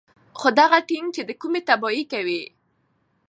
خو دغه ټېنک چې کومې تباهۍ کوي